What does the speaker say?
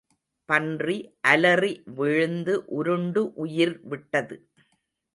பன்றி அலறி விழுந்து உருண்டு உயிர் விட்டது.